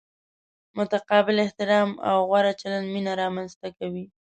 متقابل احترام او غوره چلند مینه را منځ ته کوي.